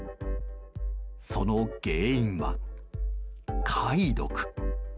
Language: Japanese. その原因は貝毒。